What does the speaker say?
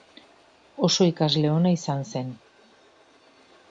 Oso ikasle ona izan zen.